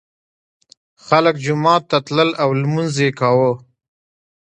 خلک جومات ته تلل او لمونځ یې کاوه.